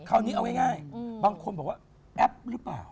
คราวนี้เอาง่ายบางคนบอกว่าแอปหรือเปล่า